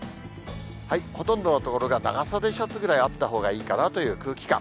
ほとんどの所が長袖シャツぐらいあったほうがいいかなという空気感。